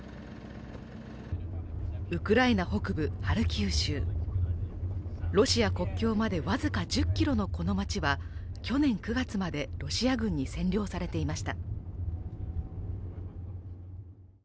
ウクライナ北部ハルキウ州ロシア国境までわずか１０キロのこの町は去年９月まで、ロシア軍に占領されていました。